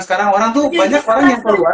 sekarang orang tuh banyak orang yang keluar